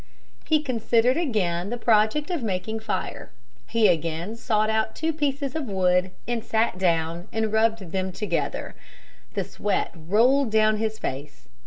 He considered again the project of making fire. He again sought out two pieces of wood and sat down and rubbed them together. The sweat rolled down his face.